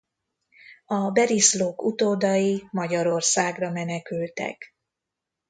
A Beriszlók utódai Magyarországra menekültek.